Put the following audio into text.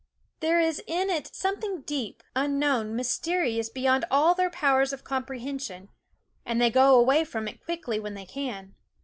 There is in it something deep, unknown, mysterious be yond all their powers of comprehension ; and they go away from it quickly when they can.